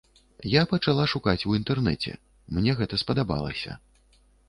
Я пачала шукаць у інтэрнэце, мне гэта спадабалася.